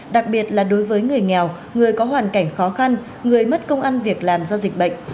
đặc biệt là đối với người nghèo người có hoàn cảnh khó khăn người mất công ăn việc làm do dịch bệnh